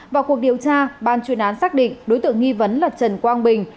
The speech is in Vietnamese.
vào cuộc điều tra ban chuyên án xác định đối tượng nghi vấn là trần quang bình